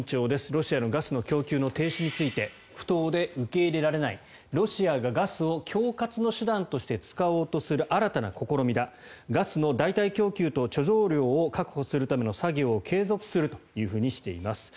ロシアのガスの供給の停止について不当で受け入れられないロシアがガスを恐喝の手段として使おうとする新たな試みだガスの代替供給と貯蔵量を確保するための作業を継続するというふうにしています。